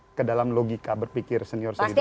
masuk ke dalam logika berpikir senior senior